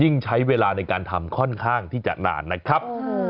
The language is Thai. ใช้เวลาในการทำค่อนข้างที่จะนานนะครับ